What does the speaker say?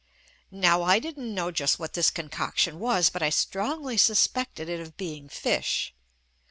Now I didn't know just what this concoction was but I strongly suspected it of being fish.